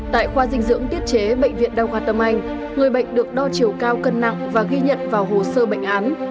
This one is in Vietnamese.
tại khoa dinh dưỡng tiết chế bệnh viện đa khoa tâm anh người bệnh được đo chiều cao cân nặng và ghi nhận vào hồ sơ bệnh án